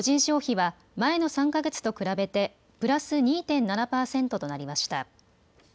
消費は前の３か月と比べてプラス２．７％となりました。